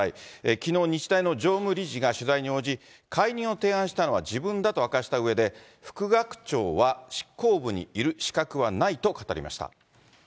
きのう、日大の常務理事が取材に応じ、解任を提案したのは自分だと明かしたうえで、副学長は執行部にいる資格はないと語りました。